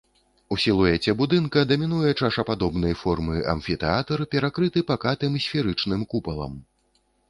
У сілуэце будынка дамінуе чашападобнай формы амфітэатр, перакрыты пакатым сферычным купалам.